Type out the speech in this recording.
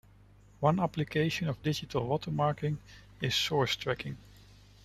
One application of digital watermarking is source tracking.